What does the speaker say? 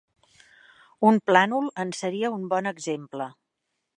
Un plànol en seria un bon exemple.